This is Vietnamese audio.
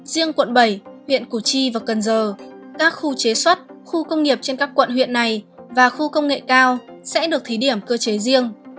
riêng quận bảy huyện củ chi và cần giờ các khu chế xuất khu công nghiệp trên các quận huyện này và khu công nghệ cao sẽ được thí điểm cơ chế riêng